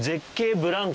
ブランコ！？